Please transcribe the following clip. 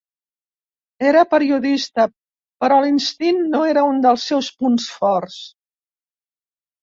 Era periodista, però l'instint no era un dels seus punts forts.